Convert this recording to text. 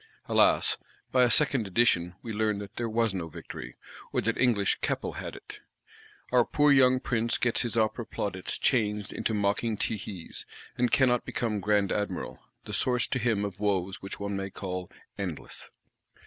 Alas, by a second edition, we learn that there was no victory; or that English Keppel had it. Our poor young Prince gets his Opera plaudits changed into mocking tehees; and cannot become Grand Admiral,—the source to him of woes which one may call endless.